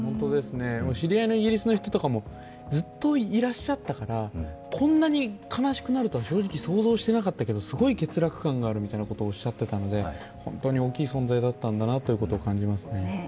知り合いのイギリスの人とかも、ずっといらっしゃったから、こんなに悲しくなるとは正直想像してなかったけどすごい欠落感があるみたいなことをおっしゃっていたので、本当に大きい存在だったんだなということを感じますよね。